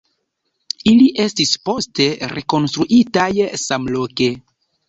Ili estis poste rekonstruitaj samloke.